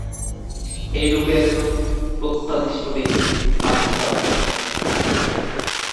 এইরূপে একজন প্রত্যাদিষ্ট ব্যক্তির আবির্ভাব ঘটে।